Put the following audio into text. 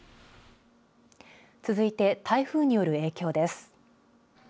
続いて台風による影響です。